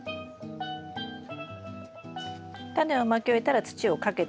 タネをまき終えたら土をかけていきます。